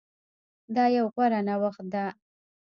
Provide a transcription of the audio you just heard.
دا يو غوره نوښت ده